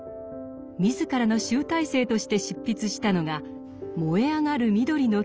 自らの集大成として執筆したのが「燃えあがる緑の木」でした。